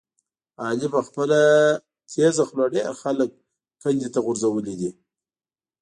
علي په خپله تېزه خوله ډېر خلک کندې ته غورځولي دي.